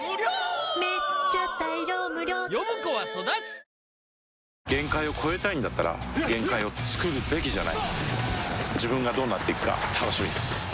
サントリーから限界を越えたいんだったら限界をつくるべきじゃない自分がどうなっていくか楽しみです